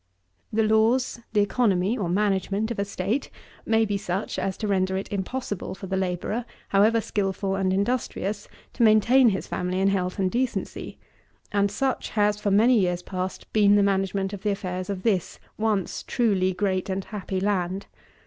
7. The laws, the economy, or management, of a state may be such as to render it impossible for the labourer, however skilful and industrious, to maintain his family in health and decency; and such has, for many years past, been the management of the affairs of this once truly great and happy land.